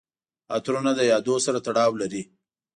عطرونه د یادونو سره تړاو لري.